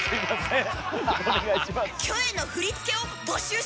キョエの振り付けを募集してます！